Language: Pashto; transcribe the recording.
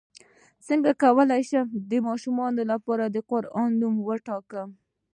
څنګه کولی شم د ماشوم لپاره د قران نوم وټاکم